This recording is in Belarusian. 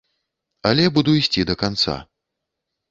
Але буду ісці да канца.